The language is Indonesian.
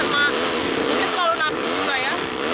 ini selalu nabung juga ya